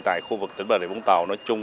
tại khu vực tỉnh bà rịa vũng tàu